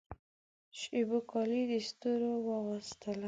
شېبو کالي د ستورو واغوستله